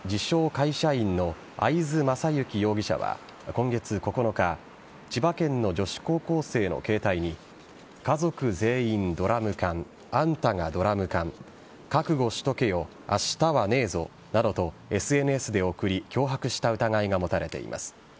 会社員の会津政行容疑者は今月９日千葉県の女子高校生の携帯に家族全員ドラム缶あんたがドラム缶覚悟しとけよ明日はねえぞなどとＳＮＳで送り脅迫した疑いが持たれています。